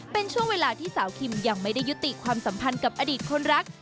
เป็นช่วงเวลาที่สาวคิมยังไม่ได้ยุติความสัมพันธ์กับอดีตคนรัก